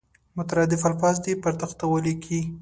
مترادف الفاظ دې پر تخته ولیکي.